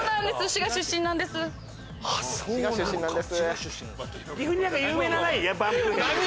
滋賀出身なんです。